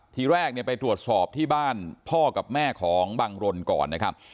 ทีแรกเนี่ยไปตรวจสอบที่บ้านพ่อกับแม่ของบังรนก่อนนะครับ